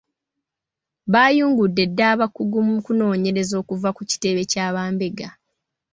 Baayungudde dda abakugu mu kunoonyereza okuva ku kitebe kya bambega .